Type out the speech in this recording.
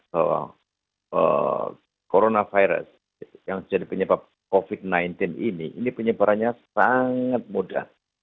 bahwa coronavirus yang jadi penyebab covid sembilan belas ini ini penyebarannya sangat mudah